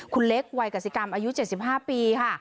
คุณเล็กวัยกษิกรรมอายุ๗๕ปีค่ะ